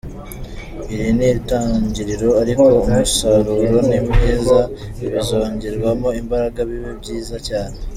Iri ni itangiriro ariko umusaruro ni mwiza, bizongerwamo imbaraga bibe byiza cyane.